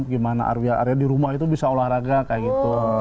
gimana area area di rumah itu bisa olahraga kayak gitu